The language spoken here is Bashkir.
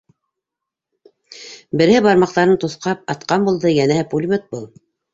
Береһе бармаҡтарын тоҫҡап атҡан булды, йәнәһе пулемет был.